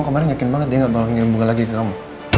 kamu kemarin yakin banget dia gak bakal ngirim bunga lagi ke kamu